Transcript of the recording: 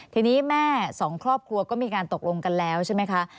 ทีนี้แม่สองครอบครัวก็มีการตกลงกันแล้วใช่ไหมคะ